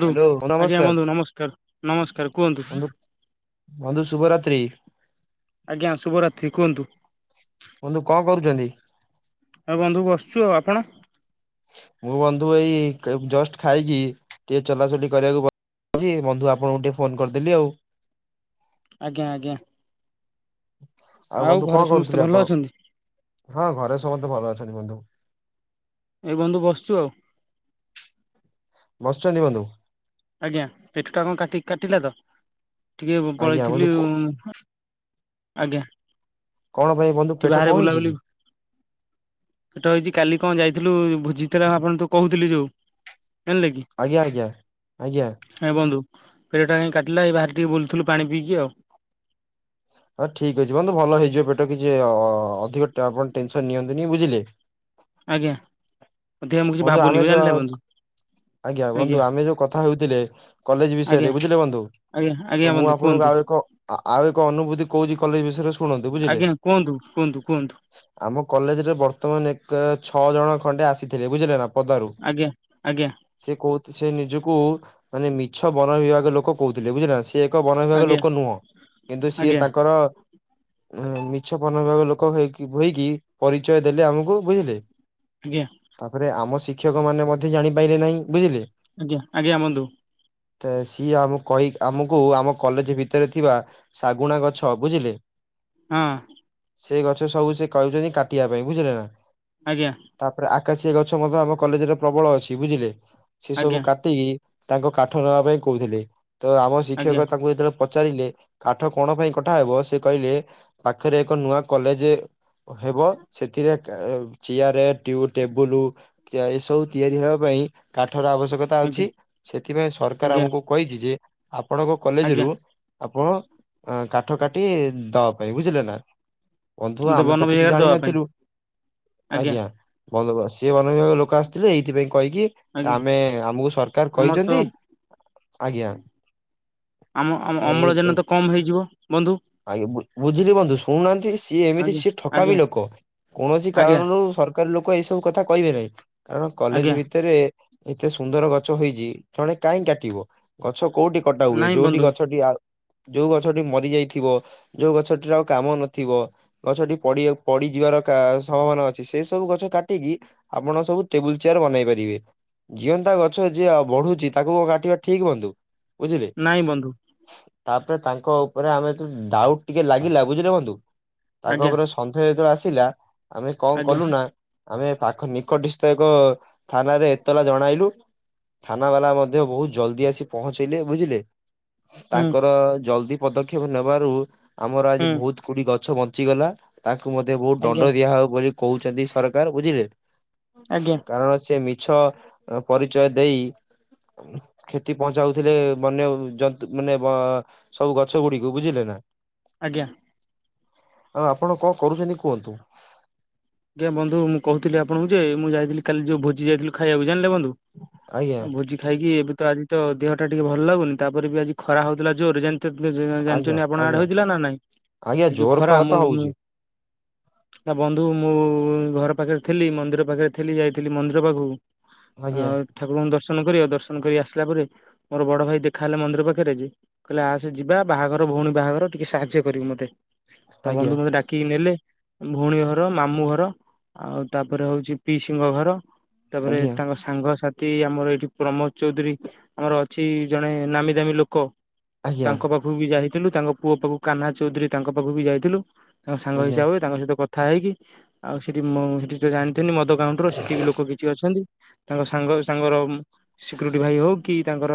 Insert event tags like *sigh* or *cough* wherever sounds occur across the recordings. ବନ୍ଧୁ ହ୍ୟାଲୋ ଆଜ୍ଞା ନମସ୍କାର ବନ୍ଧୁ ନମସ୍କାର ନମସ୍କାର କୁହନ୍ତୁ। ମଧୁ ଶୁଭ ରାତ୍ରି। ଆଜ୍ଞା ଶୁଭରାତ୍ରି କୁହନ୍ତୁ। ବଂଧୁ କଣ କରୁଚନ୍ତି? ଆଉ ବନ୍ଧୁ ବସୁଚୁ ଆଉ ଆପଣ? ମୁଁ ବନ୍ଧୁ ଏଇ ଜଷ୍ଟ ଖାଇକି ଟିକେ ଚଲାଚଲି କରିବାକୁ ବା ବନ୍ଧୁ ଆପଣଙ୍କୁ ଗୋଟେ ଫୋନ କରିଦେଲି ଆଉ। ଆଜ୍ଞା ଆଜ୍ଞା। ଆଉ ବନ୍ଧୁ ଘରେ କଣ ସମସ୍ତେ କରୁଥିଲେ ଭଲ ଆପଣ? ଅଛନ୍ତି? ହଁ ଘରେ ସମସ୍ତେ ଭଲ ଅଛନ୍ତି ବନ୍ଧୁ। ଏଇ ବନ୍ଧୁ ବସୁଚୁ ଆଉ। ବସିଚନ୍ତି ବନ୍ଧୁ। ଆଜ୍ଞା ପେଟ ଟା କଣ କାଟି କାଟିଲା ତ ଟିକେ ଆଜ୍ଞା ବନ୍ଧୁ ପଳେଇଥିଲି। କ ଆଜ୍ଞା। କଣ ପାଇଁ ବନ୍ଧୁ ସେ ପେଟ ବାହାରେ କଣ ହେଇଛି ବୁଲାବୁଲି କି ସେଟା ହେଇଚି କାଲି କଣ ଯାଇଥିଲୁ ବୁଝିଥିଲା ଆପଣ ତୁ କହୁଥିଲି ଯୋଉ। ଜାଣିଲେ କି ଆଜ୍ଞା ଆଜ୍ଞା ଆଜ୍ଞା। ଏ ବନ୍ଧୁ ପେଟ ଟା କାଟିଲା ଏଇ ବାହାରେ ଟିକେ ବୁଲୁଥିଲୁ ପାଣି ପିଇକି ଆଉ। ହଁ ଠିକ ଅଛି ବନ୍ଧୁ ଭଲ ହେଇଯିବ ପେଟ କିଛି ଅଧିକ ଆପଣ ଟେନସନ ନିଅନ୍ତୁନି ବୁଝିଲେ। ଆଜ୍ଞା ଅଧିକା ମୁଁ କିଛି ବନ୍ଧୁ ଆମେ ଭାବୁନି ଯୋଉ ଜାଣିଲେ। ଆଜ୍ଞା ବନ୍ଧୁ ଆମେ ଯୋଉ କଥା ହେଉଥିଲେ କଲେଜ ବିଷୟରେ ଆଜ୍ଞା ବୁଝିଲେ ବନ୍ଧୁ। ଆଜ୍ଞା ଆଜ୍ଞା ତ ମୁଁ ବନ୍ଧୁ ଆପଣଙ୍କୁ କୁହନ୍ତୁ ଆଉ ଏକ ଆଉ ଏକ ଅନୁଭୂତି କହୁଚି କଲେଜ ବିଷୟରେ ଶୁଣନ୍ତୁ ବୁଝିଲେ। ଆଜ୍ଞା କୁହନ୍ତୁ କୁହନ୍ତୁ କୁହନ୍ତୁ ଆମ କଲେଜରେ ବର୍ତ୍ତମାନ ଏକ ଛଅ ଜଣ ଖଣ୍ଡେ ଆସିଥିଲେ ବୁଝିଲେ ନା ପଦାରୁ ଆଜ୍ଞା ଆଜ୍ଞା ସେ କହୁଥି ସେ ନିଜକୁ ମାନେ ମିଛ ବନ ବିଭାଗ ଲୋକ କହୁଥିଲେ ବୁଝିଲେ ନା, ସେ ଏକ ବନ ବିଭାଗ ଆଜ୍ଞା ଲୋକ ନୁହଁ। କିନ୍ତୁ ସିଏ ଆଜ୍ଞା ତାଙ୍କର ମିଛ ପନ ବିଭାଗ ଲୋକ ହେ ହୋଇକି ପରିଚୟ ଦେଲେ ଆମକୁ ବୁଝିଲେ। ଆଜ୍ଞା ତାପରେ ଆମ ଶିକ୍ଷକ ମାନେ ମଧ୍ୟ ଜାଣିପାରିଲେ ନାହିଁ ବୁଝିଲେ। ଆଜ୍ଞା ଆଜ୍ଞା ବନ୍ଧୁ। ତ ସିଏ ଆମ କହି ଆମକୁ ଆମ କଲେଜ ଭିତରେ ଥିବା ଶାଗୁଣା ଗଛ ବୁଝିଲେ ହଁ। ସେ ଗଛ ସବୁ ସେ କାଉଛନ୍ତି କାଟିବା ପାଇଁ ବୁଝିଲେ ନା। ଆଜ୍ଞା। ତାପରେ ଆକାଶିଆ ଗଛ ମଧ୍ୟ ଆମ କଲେଜରେ ପ୍ରବଳ ଅଛି ବୁଝିଲେ ସେ ସବୁ ଆଜ୍ଞା କାଟିକି ତାଙ୍କ କାଠ ନେବା ପାଇଁ କହୁଥିଲେ ତ ଆମ ଆଜ୍ଞା ଶିକ୍ଷକ ତାଙ୍କୁ ଯେତେବେଳେ ପଚାରିଲେ କାଠ କଣ ପାଇଁ କଠାହବ ସେ କହିଲେ ପାଖରେ ଏକ ନୂଆ କଲେଜ ହେବ ସେଥିରେ ଚେୟାର ଟେବୁଲ ଏସବୁ ତିଆରି ହେବା ପାଇଁ ହ କା ଆବଶ୍ୟକତା ଅଛି ଆଜ୍ଞା ସେଥିପାଇଁ ସରକାର ଆମକୁ କହିଛି ଯେ ଆପଣଙ୍କ କଲେଜ ଆଜ୍ଞା ରୁ ଆପଣ କାଠ କାଟି ଦବା ପାଇଁ ବୁଝିଲେ ନା। ବନ୍ଧୁ ଆଜ୍ଞା ଆମେ ବନ ତ କିଛି ବିଭାଗରେ ଦବା ପାଇଁ ଜାଣିନଥିଲୁ ଆଜ୍ଞା। ଭଲବାସ ସି ମନ ବିଭାଗ ଲୋକ ଆସିଥିଲେ ଏଇଥିପାଇଁ କହିକି ଆଜ୍ଞା ଆମେ ଆମକୁ ସରକାର ଆମର ତ କହିଛନ୍ତି ଆଜ୍ଞା। ଆମ ଆମ ଏଇ ଏ ଅମଳଜନ ତ କମ ହେଇଯିବ ବନ୍ଧୁ। ଆଜ୍ଞା ବୁ- ବୁଝିଲି ବନ୍ଧୁ ଶୁନାହାନ୍ତି ସିଏ ଏମିତି ଆଜ୍ଞା ସି ଠକାମି ଆଜ୍ଞା ଲୋକ କୌଣସି ଆଜ୍ଞା କାରଣରୁ ସର କାର ଲୋକ ଏଇ ସବୁ କଥା କହିବେ ନାହିଁ କାରଣ କଲେଜ ଆଜ୍ଞା ଭିତରେ ଏତେ ସୁନ୍ଦର ଗଛ ହେଇଛି ଜଣେ କାହିଁ କାଟିବ ଗଛ କୋଉଠି କଟା ହୁଏ ନାଇଁ ଯୋଉଠି ବନ୍ଧୁ ଗଛଟି ଆ ଯୋଉ ଗଛଟି ମରି ଯାଇଥିବ ଯୋଉ ଗଛଟିର ଆଉ କାମ ନଥିବ ଗଛଟି ପଡି ପଡିଯିବାର ସମ୍ଭାବନା ଅଛି ସେ ସବୁ ଗଛ କାଟିକି ଆପଣ ସବୁ ଟେବୁଲ ଚେୟାର ବନେଇ ପାରିବେ। ଜିଅନ୍ତା ଗଛ ଯଏ ବଢୁଛି ତାକୁ କାଟିବା ଠିକ ବନ୍ଧୁ? ବୁଝିଲେ? ନାଇଁ ବନ୍ଧୁ ତାପରେ ତାଙ୍କ ଉପରେ ଆମେ ଡାଉଟ ଟିକେ ଲାଗିଲା ବୁଝିଲେ ବନ୍ଧୁ ତାଙ୍କ ଆଜ୍ଞା ଉପରେ ସନ୍ଧ୍ୟେ ଆସିଲା ଆମେ କଣ ଆଜ୍ଞା କଲୁ ନା ଆମେ ପାଖ ନିକଟସ୍ଥ ଏକ ଥାନାରେ ଏତଲା ଜଣାଇଲୁ। ଥାନା ବାଲା ମଧ୍ୟ ବହୁତ ଜଲ୍ଦି ଆସି ପହଞ୍ଚେଇଲେ ବୁଝିଲେ। ହୁଁ। ଜଲଦି ପଦକ୍ଷେପ ନେବାରୁ ଆମର ଆଜି ହୁଁ ବହୁତ କୋଡି ଗଛ ବଞ୍ଚିଗଲା। ତାଙ୍କୁ ମଧ୍ୟ ବହୁତ ଦଣ୍ଡ ଆଜ୍ଞା ଦିଆ ହବ ବୋଲି କହୁଛନ୍ତି ସରକାର ବୁଝିଲେ ଆଜ୍ଞା ଆଜ୍ଞା କାରଣ ସେ ମିଛ ପରିଚୟ ଦେଇ କ୍ଷତି ପହଞ୍ଚାଉଥିଲେ ବନ୍ୟ ଜନ୍ତୁ ମାନେ ବା ସବୁ ଗଛ ଗୁଡିକୁ ବୁଝିଲେ ନା। ଆଜ୍ଞା। ଆଉ ଆପଣ କଣ କରୁଛନ୍ତି କୁହନ୍ତୁ? ଆଜ୍ଞା ବନ୍ଧୁ ମୁଁ କହୁଥିଲି ଆପଣଙ୍କୁ ଯେ ମୁଁ ଯାଇଥିଲି କାଲି ଯୋଉ ଭୋଜି ଯାଇଥିଲି ଖାଇବାକୁ ଜାଣିଲେ ବନ୍ଧୁ। ଆଜ୍ଞା ଆଉ ଭୋଜି ଖାଇକି ଏବେ ତ ଆଜି ତ ଦେହ ଟା ଟିକେ ଭଲ ଲାଗୁନି। ତାପରେ ବି ଆଜି ଖରା ହୋଉଥିଲା ଜୋରରେ ଜା ଆଜ୍ଞା ଜାଣିଛନ୍ତି ଆପଣ ଆଡେ ଆଜ୍ଞା ହେଇଥିଲା ନା ନାଇଁ? ଆଜ୍ଞା ଇ ଯୋଉ ଜୋର ଖରା ତ ମୁଁ ମୁଁ ହଉଛି ଆ ବନ୍ଧୁ ମୁଁ ଘର ପାଖରେ ଥିଲି ମନ୍ଦିର ପାଖରେ ଥିଲି ଯାଇଥିଲି ମନ୍ଦିର ପାଖକୁ ଆଜ୍ଞା ଠାକୁରଙ୍କ ଦ ଦର୍ଶନ କରି ଆଉ ଦର୍ଶନ କରି ଆସିଲା ପରେ ମୋର ବଡ ଭାଇ ଦେଖା ହେଲେ ମନ୍ଦିର ପାଖରେ ଯେ କହିଲେ ଆସେ ଯିବା ବାହାଘର ଭଉଣୀ ବାହାଘର ଟିକେ ସାହାଯ୍ୟ କରିବ ମତେ। ତ ଆଜ୍ଞା ବନ୍ଧୁ ମତେ ଡାକିକି ନେଲେ ଭଉଣୀଘର, ମାମୁଁଘର ଆଉ ତାପରେ ହଉଛି ପିସିଙ୍କ ଘର। ତାପରେ ଆଜ୍ଞା ତାଙ୍କ ସାଙ୍ଗସାଥି ଆମର ଏଇଠି ପ୍ରମୋଦ ଚୌଧୁରୀ ଆମର ଅଛି ଜଣେ ନାମୀ ଦାମୀ ଲୋକ ଆଜ୍ଞା ଆଜ୍ଞା ତାଙ୍କ ପାଖକୁ ବି ଯାଇଥିଲୁ। ତାଙ୍କ ପୁଅ ପାଖକୁ କାହ୍ନା ଚୌଧୁରୀ ତାଙ୍କ ପାଖକୁ ବି ଯାଇଥିଲୁ। ତାଙ୍କ ସାଙ୍ଗ ଆଜ୍ଞା ହିସାବରେ ତାଙ୍କ ସହିତ କଥା ହେଇକି ଆଉ ସେଠି ମୁଁ ସେଠି ଜା ଥିଲି ମଦ କାଉଣ୍ଟର ସେଠି ବି ଲୋକ କିଛି ଅଛନ୍ତି। ତାଙ୍କ ସାଙ୍ଗ ତାଙ୍କର ସିକ୍ୟୁରିଟି ଭାଇ ହଉ କି ତାଙ୍କର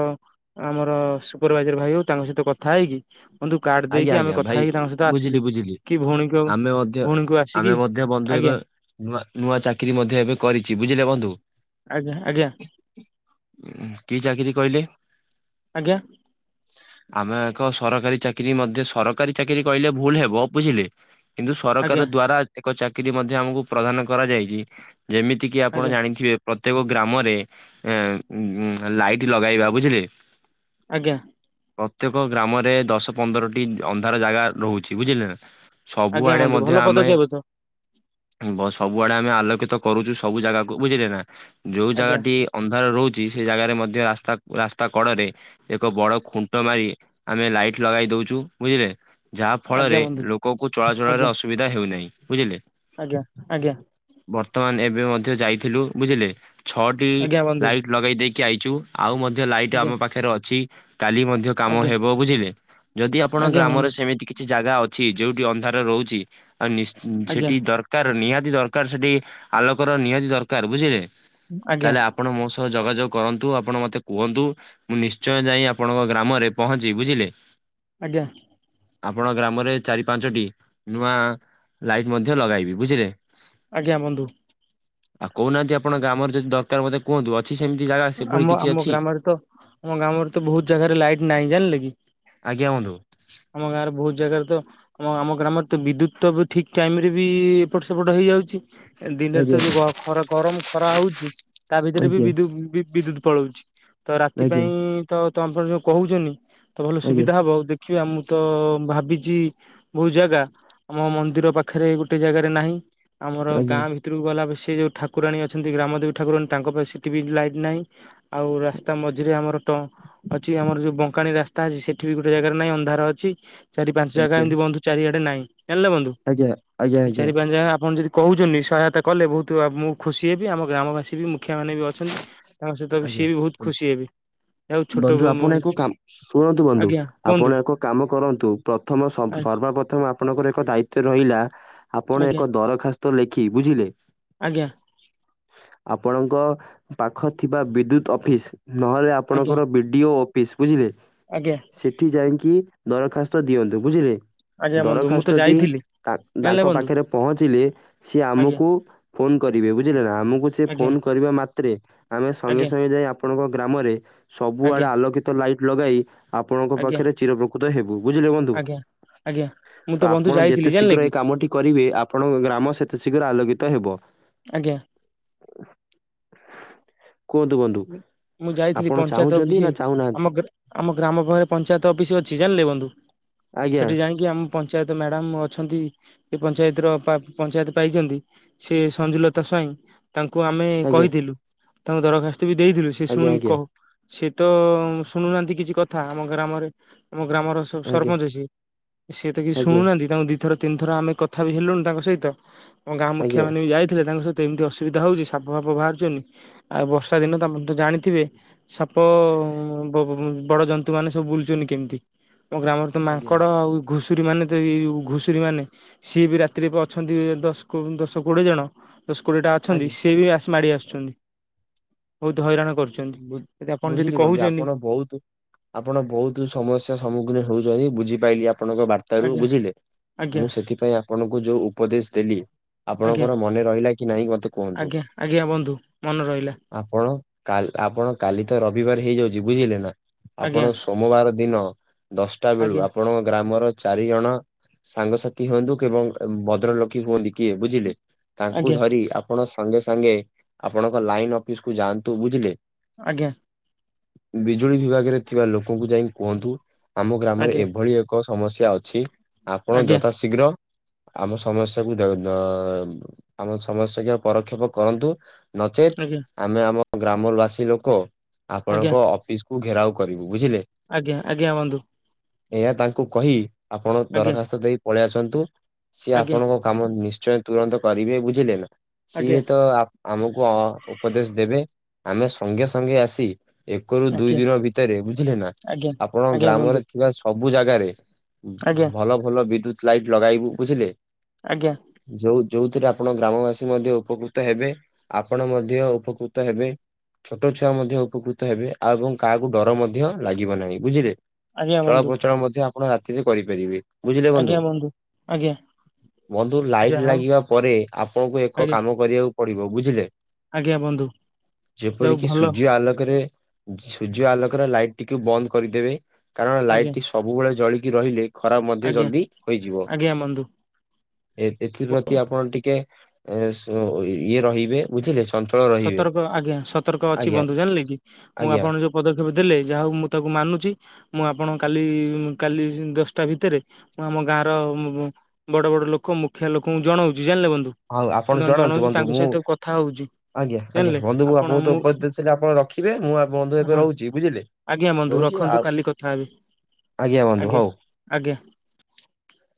ଆମର ସୁପରଭାଇଜର ଭାଇ ହଉ ତାଙ୍କ ସହିତ କଥା ହେଇକି କୁନ୍ତୁ କାର୍ଡ଼ ଆଜ୍ଞା ଦେଇକି ଆମେ ଆଜ୍ଞା କଥା ଭାଇ ହେଇକି ତାଙ୍କ ସହିତ ବୁଝିଲି ଆସିଲୁ। ବୁଝିଲି। କି ଭଉଣୀଙ୍କ ଆମେ ମଧ୍ୟ ଭଉଣୀଙ୍କୁ ଆମେ ଆସିକି ମଧ୍ୟ ବନ୍ଧୁ ଆଜ୍ଞା ଏବେ ନୂଆ ନୂଆ ଚାକିରି ମଧ୍ୟ ଏବେ କରିଚି ବୁଝିଲେ ବନ୍ଧୁ। ଆଜ୍ଞା ଆଜ୍ଞା କି ଚାକିରି କହିଲେ? ଆଜ୍ଞା ଆମେ ଏକ ସରକାରୀ ଚାକି କିରୀ ମଧ୍ୟ ସରକାରୀ ଚାକିରୀ କହିଲେ ଭୁଲ ହେବ ବୁଝିଲେ କିନ୍ତୁ ଆଜ୍ଞା ସରକାର ଦ୍ଵାରା ଚାକିରି ମଧ୍ୟ ଆମକୁ ପ୍ରଦାନ କରାଯାଇଛି। ଯେମିତି କିି ଆପଣ ଆଜ୍ଞା ଜାଣିଥିବେ ପ୍ରତ୍ୟେକ ଗ୍ରାମରେ ଏ ଉଁ ଲାଇଟ୍ ଲଗାଇବା ବୁଝିଲେ। ଆଜ୍ଞା। ପ୍ରତ୍ୟେକ ଗ୍ରାମରେ ଦଶ ପନ୍ଦରଟି ଅନ୍ଧାର ଜାଗା ରହୁଚି ବୁଝିଲେ ନା। ଆଜ୍ଞା ସବୁଆଡେ ବନ୍ଧୁ ମଧ୍ୟ ଭଲ ଆମେ ପଦକ୍ଷେପ ତ ସବୁଆଡେ ଆମେ ଆଲୋକି ତ କରୁଚୁ ସବୁ ଜାଗାକୁ ବୁଝିଲେ ନା ଯୋଉ ଜାଗା ଆଜ୍ଞା ଟି ଅନ୍ଧାର ରହୁ ଛି ସେ ଜାଗାରେ ମଧ୍ୟ ରାସ୍ତା ରାସ୍ତା କଡ଼ରେ ଏକ ବଡ଼ ଖୁଣ୍ଟ ମାରି ଆମେ ଲାଇ ଟ ଲଗାଇ ଦଉଚୁ ବୁଝିଲେ। ଯାହା ଆଜ୍ଞା ଫଳରେ ବନ୍ଧୁ ଲୋକଙ୍କୁ ଚଳାଚଳରେ ଆଜ୍ଞା ଅସୁବିଧା ହେଉନାହିଁ ବୁଝିଲେ। ଆଜ୍ଞା, ଆଜ୍ଞା। ଏ ମଧ୍ୟ ଯାଇଥିଲୁ ବୁଝିଲେ, ଛଅଟି ଆଜ୍ଞା ବନ୍ଧୁ ଲାଇଟ ଲଗେଇ ଦେଇକି ଆଇଛୁ ଆଉ ମ ଧ୍ୟ ଲାଇଟ ଆଜ୍ଞା। ଆମ ପାଖରେ ଅଛି। କାଲି ମଧ୍ୟ କାମ ଆଜ୍ଞା ହେବ ବୁଝିଲେ। ଯଦି ଆପଣଙ୍କ ଆଜ୍ଞା ଗ୍ରାମରେ ବନ୍ଧୁ ସେମିତି କିଛି ଜାଗା ଅଛି ଯୋଉଠି ଅନ୍ଧାରରେ ରହୁଚି ଆଉ ନିଶ ଆଜ୍ଞା ସେଠି ଦରକାର ନିହାତି ଦରକାର ସେଠି ଆଲୋକର ନିହାତି ଦରକାର ବୁଝିଲେ। ଆଜ୍ଞା ତାହେଲେ ଆପଣ ମୋ ସହ ଯୋଗାଯୋଗ କରନ୍ତୁ, ଆପଣ ମତେ କୁହନ୍ତୁ। ମୁଁ ନିଶ୍ଚୟ ଯାଇ ଆପଣଙ୍କ ଗ୍ରାମରେ ପହଞ୍ଚି ବୁଝିଲେ। ଆଜ୍ଞା। ଆପଣ ଗ୍ରାମରେ ଚାରି ପାଞ୍ଚଟି ନୂଆ ଲାଇଟ୍ ମଧ୍ୟ ଲଗାଇବି ବୁଝିଲେ। ଆଜ୍ଞା ବନ୍ଧୁ। ଆଉ କହୁନାହାନ୍ତି ଆପଣ ଗ୍ରାମରେ ଯଦି ଦରକାର ମତେ କୁହନ୍ତୁ ଅ ଆମ ଆମ ଗ୍ରାମରେ ତ ଆମ ଗ୍ରାମରେ ତ ବହୁତ ଜାଗାରେ ଲାଇଟ ନାହିଁ, ଜାଣିଲେ କି। ଆଜ୍ଞା ବନ୍ଧୁ। ଆମ ଗାଁରେ ବହୁତ ଜାଗାରେ ତ ଆମ ଆମ ଗ୍ରାମରେ ତ ବିଦ୍ୟୁତ ତ ଠିକ ଟାଇମ ରେ ବି ଏପଟ ସେପଟ ହେଇ ଯାଉଚି। ଦିନରେ ତ ଯୋଉ ଖରା ଗରମ ଖରା ହଉଚି। ତା ଭିତରେ ଆଜ୍ଞା ବିଦ୍ୟୁ ବି ବିଦ୍ୟୁତ୍ ପଳଉଚି। ତ ରାତି ପାଇଁ ତ ତମପର ଯୋ କହୁଛନ୍ତି ତ ଭଲ ଆଜ୍ଞା ସୁବିଧା ହବ ଦେଖ ଦେଖିବା ମୁଁ ତ ଭାବିଛି ବହୁତ ଜାଗା ଆମ ମନ୍ଦିର ପାଖରେ ଗୋଟେ ଜାଗାରେ ନାହିଁ। ଆମର ଆଜ୍ଞା ଆଜ୍ଞା ଗାଁ ଭିତରକୁ ଗଲା ପସି ସେ ଯେଉଁ ଠାକୁରାଣୀ ଅଛନ୍ତି ଗ୍ରାମଦେବ ଠାକୁରାଣୀ ତାଙ୍କ ପାଇଁ ସଟିଭି ଲାଇଟ ନାହିଁ। ଆଉ ରାସ୍ତା ମଝିରେ ଆମର ତ ଅଛି ଆମର ଯୋଉ ବଙ୍କାନୀ ରାସ୍ତା ଅଛି ସେଠି ବି ଗୋଟେ ଜାଗାରେ ନାଇଁ ଅନ୍ଧାର ଅଛି। ଚାରି ପାଞ୍ଚ ଜାଗା ଏମତି ବନ୍ଦ ଚାରିଆଡେ ନାଇଁ। ଜାଣିଲେ ବନ୍ଧୁ ଆଜ୍ଞା ଆଜ୍ଞା ଏଇ ଆଜ୍ଞା। ଚାରି ପାଞ୍ଚ ଜାଗା ଆପଣ ଯଦି କହୁଚନ୍ତି ସହାୟତା କଲେ ବହୁତ ମୁଁ ଖୁସି ହେବି ଆମ ଗ୍ରାମବାସୀ ବି ମୁଖିଆ ମାନେ ବି ଅଛନ୍ତି ତାଙ୍କ ସହିତ ତ ସିଏ ଆଜ୍ଞା। ବି ବହୁତ ଖୁସି ହେବେ, ଆଉ ଛୋଟ ବନ୍ଧୁ ଆପଣ ଏକ କାମ ଶୁଣନ୍ତୁ ବନ୍ଧୁ। ଆଜ୍ଞା। କୁହନ୍ତୁ ଆପଣ ଏକ କାମ କରନ୍ତୁ ପ୍ରଥମ ସର୍ବ ଆଜ୍ଞା। ସର୍ବପ୍ରଥମେ ଆପଣଙ୍କର ଏକ ଦାୟିତ୍ୱ ରହିଲା। ଆପଣ ଆଜ୍ଞା ଏକ ଦରଖାସ୍ତ ଲେଖି ବୁଝିଲେ। ଆଜ୍ଞା ଆପଣଙ୍କ ପାଖ ଥିବା ବିଦ୍ୟୁତ ଅଫିସ ନହେଲେ ଆପଣଙ୍କର ବି ଡି ଓ ବୁଝିଲେ ଆଜ୍ଞା ସେଠି ଯାଇକି ଦରଖାସ୍ତ ଦିଅନ୍ତୁ ବୁଝିଲେ। ଆଜ୍ଞା ବନ୍ଧୁ ମୁଁ ତ ଦରଖାଷ୍ଟ ଟି ଯାଇଥିଲି ତାଙ୍କ୍ ଜାଣିଲେ ତାଙ୍କ ବନ୍ଧୁ ପାଖରେ ପହଞ୍ଚିଲେ ସେ ଆଜ୍ଞା ଆମକୁ ଫୋନ କରିବେ ବୁଝିଲେ ନା ଆମକୁ ସେ ଆଜ୍ଞା। ଫୋନ କରିବା ମାତ୍ରେ ଆମେ ସଙ୍ଗେ ଆଜ୍ଞା ସଙ୍ଗେ ଯାଇ ଆପଣଙ୍କ ଗ୍ରାମରେ ସବୁ ଆଜ୍ଞା ଆଡେ ଆଲୋକିତ ଲାଇଟ ଲଗାଇ ଆପଣଙ୍କ ଆଜ୍ଞା ପାଖରେ ଚିରଉପକୃତ ହେବୁ ବୁଝିଲେ ବନ୍ଧୁ। ଆଜ୍ଞା ଆଜ୍ଞା ମୁଁ ତ ବନ୍ଧୁ ଆପଣ ଯେତେ ଯାଇଥିଲି ଜାଣିଲେ ଶୀଘ୍ର କି ଏଇ କାମ ଟି କରିବେ ଆପଣଙ୍କ ଗ୍ରାମ ସେତେ ଶୀଘ୍ର ଆଲୋକିତ ହେବ। ଆଜ୍ଞା। *inaudible* କୁହନ୍ତୁ ବନ୍ଧୁ ମୁଁ ଯାଇଥିଲି ଆପଣ ପଞ୍ଚାୟତ ଚାହୁଁଛନ୍ତି ଅଫିସ ନା ଚାହୁଁନାହାନ୍ତି? ଆମ-ଆମ ଗ୍ରାମ ପାଖରେ ପଞ୍ଚାୟତ ଅଫିସ ଅଛି ଜାଣିଲ। ଲେ ବନ୍ଧୁ ଆଜ୍ଞା ସେଠି ଯାଇକି ଆମ ପଞ୍ଚାୟତ ମ୍ୟାଡାମ ଅଛନ୍ତି ପଞ୍ଚାୟତର ପଞ୍ଚାୟତ ପାଇଛନ୍ତି ସେ ସଂଜୁଲତା ସ୍ୱାଇଁ ତାଙ୍କୁ ଆମେ ଆଜ୍ଞା କହିଥିଲୁ ତାଙ୍କୁ ଦରଖାସ୍ତ ବି ଦେଇଥିଲୁ ସେ ଆଜ୍ଞା ଶୁଣିକି ଆଜ୍ଞା କହୁ ସେ ତ ଶୁଣୁନାହାନ୍ତି କିଛି କଥା ଆମ ଗ୍ରାମରେ ଆମ ଗ୍ରାମର ସବୁ ଆଜ୍ଞା ସରପଞ୍ଚ ଅଛି ସିଏ ତ କିଛି ଆଜ୍ଞା ଶୁଣୁନାହାନ୍ତି ତାଙ୍କୁ ଦି ଥର ତିନିଥର ଆମେ କଥା ବି ହେଲୁଣି ତାଙ୍କ ସହିତ ଆମ ଗାଁ ମୁଖିଆ ଆଜ୍ଞା। ମାନେ ବି ଯାଇଥିଲେ ତାଙ୍କ ସହିତ ଏମିତି ଅସୁବିଧା ହଉଛି ସାପ ଫାପ ବାହାରୁଛନ୍ତିି ଆଉ ବସିତେ ସା ଦିନ ତ ତ ଜାଣିଥିବେ ସାପ ବଡ ଜନ୍ତୁ ମାନେ ସବୁ ବୁଲୁଛନ୍ତି କେମିତି ମୋ ଗ୍ରାମରେ ତ ଆଜ୍ଞା ମାଙ୍କଡ ଆଉ ଘୁଷ୍ ଷୁରୀ ମାନେ ତ ଘୁଷୁରୀ ମାନେ ସିଏ ବି ରାତିରେ ଅଛନ୍ତି ଦଶ ଦଶ କୋଡିଏ ଜଣ ଦଶ କୋଡ଼ିଏଟା ଅଛନ୍ତି ଆଜ୍ଞା ସିଏ ବି ଆସ୍ ମାଡ଼ି ଆସୁଛନ୍ତି ବହୁତ ହଇରାଣ କରୁଛନ୍ତି। ବୁଝ୍ ଯଦି ଆପଣ ଯଦି ବୁଝିଲି ବନ୍ଧୁ କହୁଛନ୍ତି ଆପଣ ବହୁତ ଆପଣ ବହୁତ ସମସ୍ୟା ସମ୍ମୁଖୀନ ହଉଛନ୍ତି ବୁଝି ଆପଣଙ୍କ ବାର୍ତ୍ତା ରୁ ଆଜ୍ଞା ବୁଝିଲେ ଆଜ୍ଞା ମୁଁ ସେଥିପାଇଁ ଆପଣଙ୍କୁ ଯୋଉ ଉପଦେଶ ଦେଲି ଆଜ୍ଞା ଆପଣଙ୍କର ମନେ ରହିଲା କି ନାଇଁ ମତେ କୁହନ୍ତୁ। ଆଜ୍ଞା ଆଜ୍ଞା ବୁନ୍ଧୁ ମନେ ରହିଲା। ଆପଣ କା ଆପଣ କାଲି ତ ରବିବାର ହେଇଯାଉଛି ବୁଝିଲେ ନା। ଆଜ୍ଞା ଆପଣ ସୋମବାର ଦିନ ଦଶଟା ବେଳୁ ଆଜ୍ଞା ଆପଣଙ୍କ ଗ୍ରାମର ଚାରି ଜଣ ସାଙ୍ଗସାଥି ହୁଅନ୍ତୁ କି ଏବଂ ଭଦ୍ରଲକୀ ହୁଅନ୍ତି କିଏ ବୁଝିଲେ। ତାଙ୍କୁ ଆଜ୍ଞା ଧରି ଆପଣ ସାଙ୍ଗେ-ସାଙ୍ଗେ ଆପଣଙ୍କ ଲାଇନ ଅଫିସ କୁ ଯାଆନ୍ତୁ ବୁଝିଲେ। ଆଜ୍ଞା। ବିଜୁଳି ବିଭାଗରେ ଥିବା ଲୋକଙ୍କୁ ଯାଇ କୁହନ୍ତୁ ଆମ ଗ୍ରାମରେ ଆଜ୍ଞା ଏଭଳି ଏକ ସମସ୍ୟା ଅଛି ଆପଣ ଆଜ୍ଞା ଯଥା ଶୀଘ୍ର ଆମ ସମସ୍ୟାକୁ ଆମ ସମସ୍ୟାକୁ ପରକ୍ଷେପ କରନ୍ତୁ। ନଚେତ୍ ଆଜ୍ଞା ଆଜ୍ଞା ଆମେ ଆମ ଗ୍ରାମବାସୀ ଲୋକ ଆପଣଙ୍କ ଅଫିସକୁୁ ଘେରାଉ କରିବୁ। ବୁଝିଲେ। ଆଜ୍ଞା-ଆଜ୍ଞା ବନ୍ଧୁ। ଏହା ତାଙ୍କୁ କହି ଆପଣ ଆଜ୍ଞା ଦରଖାସ୍ତ ଦେଇ ପଳେଇ ଆସନ୍ତୁ। ସିଏ ଆଜ୍ଞା ଆପଣଙ୍କ କାମ ନିଶ୍ଚୟ ତୁରନ୍ତ କରିବେ ବୁଝିଲେ ନା। ଆଜ୍ଞା ସିଏ ତ ଆମକୁ ଉପଦେଶ ଦେବେ ଆମେ ସଙ୍ଗେ-ସଙ୍ଗେ ଆସି ଏକରୁ ଦୁଇ ଆଜ୍ଞା ଦିନ ଭିତରେ ବୁଝିଲେ ନା ଆଜ୍ଞା ଆପଣ ଆଜ୍ଞା ବନ୍ଧୁ ଗ୍ରାମରେ ଥିବା ସବୁ ଜାଗାରେ ଆଜ୍ଞା ଭଲ-ଭଲ ବିଦ୍ୟୁତ ଲାଇଟ ଲଗାଇବୁ ବୁଝିଲେ। ଆଜ୍ଞା। ଯୋଉ ଯୋଉଥିରେ ଆପଣ ଗ୍ରାମବାସୀ ମଧ୍ୟ ଉପକୃତ ହେବେ। ଆପଣ ମଧ୍ୟ ଉପକୃତ ହେବେ। ଛୋଟ ଛୁଆ ମଧ୍ୟ ଉପକୃତ ହେବେ। ଆଉ ଏବଂ କାହାକୁ ଡର ମଧ୍ୟ ଲାଗିବ ନାହିଁ ବୁଝିଲେ। ଆଜ୍ଞା ବନ୍ଧୁ ଚଳପଚଳ ମଧ୍ୟ ଆପଣ ରାତିରେ କରିପାରିବେ। ଆଜ୍ଞା ବନ୍ଧୁ ଆଜ୍ଞା। ବନ୍ଧୁ ଲାଇଟ ଯାହା ହଉ ଲାଗିବା ପରେ ଆପଣଙ୍କୁ ଏକ ଆଜ୍ଞା କାମ କରିବାକୁ ପଡିବ ବୁଝିଲେ। ଆଜ୍ଞା ବନ୍ଧୁ। ଯାଉ ଯେପରିକି ଭଲ ସୂର୍ଯ୍ୟ ଆଲୋକରେ ସୂର୍ଯ୍ୟ ଆଲୋକରେ ଲାଇଟ ଟିକୁ ବନ୍ଦ କରିଦେବେ କାରଣ ଲାଇଟ ଆଜ୍ଞା ଟି ସବୁବେଳେ ଜଳିକି ରହିଲେ ଖରାପ ମଧ୍ୟ ଆଜ୍ଞା ଜଲଦି ହୋଇଯିବ ଆଜ୍ଞା ବନ୍ଧୁ ଏ-ଏଥିପ୍ରତି ଆପଣ ଟିକେ ଏ ସ ଇଏ ରହିବେ ବୁଝିଲେ ଚଞ୍ଚଳ ରହିବେ ସତର୍କ ଆଜ୍ଞା ସତର୍କ ଅଛି ଆଜ୍ଞା ବନ୍ଧୁ ଜାଣିଲେ କି ମୁଁ ଆଜ୍ଞା। ଆପଣ ଯୋଉ ପଦକ୍ଷେପ ଦେଲେ ଯାହାଉ ମୁଁ ତାକୁ ମାନୁଛି ମୁଁ ଆପଣ କାଲି କାଲି ଦଶଟା ଭିତରେ ମୁଁ ଆମ ଗାଁର ବଡ଼-ବଡ଼ ଲୋକ ମୁଖିଆ ଲୋକଙ୍କୁ ଜଣାଉଛି। ଜାଣିଲେ ବନ୍ଧୁ ହଉ ଆପଣ ମୁଁ ତାଙ୍କୁ ଜଣାନ୍ତୁ ଜଣଉଛି ବନ୍ଧୁ ତାଙ୍କ ମୁଁ ସହିତ କଥା ହଉଛି। ଆଜ୍ଞା ଆଜ୍ଞା ଜାଣିଲେ ବନ୍ଧୁ ମୁଁ ଆପଣ ଆପଣକୁ ତ ଉପେଦେଶଦେଲି ଆପଣ ରଖିବେ ମୁଁ ଆ ବନ୍ଧୁ ଏବେ ହଁ ରହୁଚି ବୁଝିଲେ। ଆଜ୍ଞା ବନ୍ଧୁ ରହୁଛି ରଖନ୍ତୁ ଆଉ କାଲି କଥା ହେବି। ବନ୍ଧୁ ଆଜ୍ଞା ହଉ। ଆଜ୍ଞା। *inaudible*